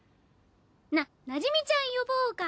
ななじみちゃん呼ぼうか？